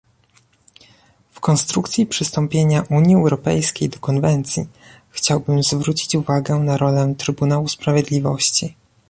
W konstrukcji przystąpienia Unii Europejskiej do konwencji chciałbym zwrócić uwagę na rolę Trybunału Sprawiedliwości